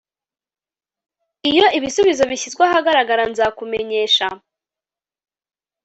Iyo ibisubizo bishyizwe ahagaragara nzakumenyesha